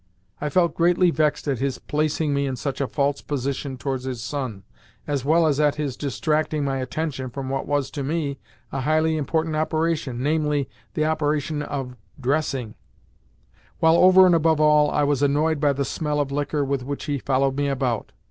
I felt greatly vexed at his placing me in such a false position towards his son, as well as at his distracting my attention from what was, to me, a highly important operation namely, the operation of dressing; while, over and above all, I was annoyed by the smell of liquor with which he followed me about.